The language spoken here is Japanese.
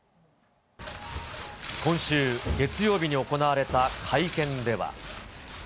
今週、月曜日に行われた会見では。